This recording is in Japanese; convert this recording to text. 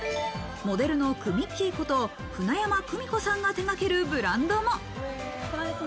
モデルのくみっきーこと舟山久美子さんが手がけるブランドも。